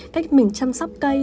cách mình chăm sóc cây